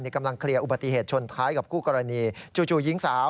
อ่อแน่จริงอะไรออกมาน่ะ